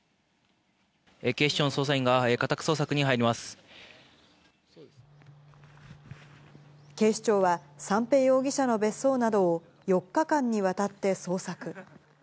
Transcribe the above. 警視庁の捜査員が家宅捜索に警視庁は、三瓶容疑者の別荘などを、４日間にわたって捜索。